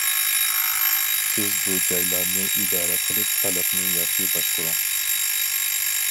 سىز بۇ جايلارنى ئىدارە قىلىپ خەلقنى ياخشى باشقۇرۇڭ.